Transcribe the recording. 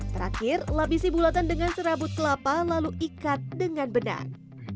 terakhir lapisi bulatan dengan serabut kelapa lalu ikat dengan benar